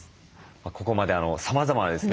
ここまでさまざまなですね